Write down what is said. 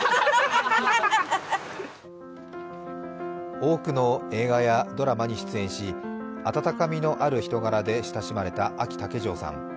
多くの映画やドラマに出演し温かみのある人柄で親しまれたあき竹城さん。